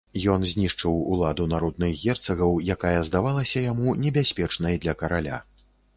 Ён знішчыў уладу народных герцагаў, якая здавалася яму небяспечнай для караля.